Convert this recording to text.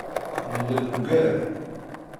Nella nugad.